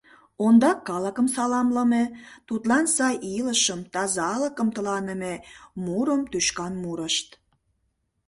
Ондак калыкым саламлыме, тудлан сай илышым, тазалыкым тыланыме мурым тӱшкан мурышт.